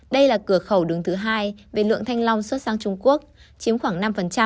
đây là cửa khẩu đứng thứ hai về lượng thanh long xuất sang trung quốc chiếm khoảng năm